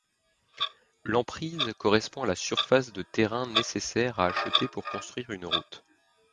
L'emprise correspond à la surface de terrains nécessaires à acheter pour construire une route.